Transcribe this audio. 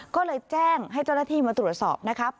ก็เลยแจ้งให้เจ้าหน้าที่มาตรวจสอบนะครับ